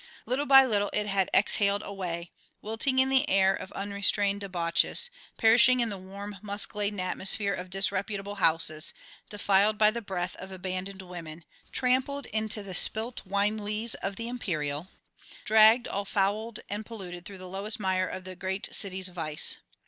Little by little it had exhaled away, wilting in the air of unrestrained debauches, perishing in the warm musk laden atmosphere of disreputable houses, defiled by the breath of abandoned women, trampled into the spilt wine lees of the Imperial, dragged all fouled and polluted through the lowest mire of the great city's vice.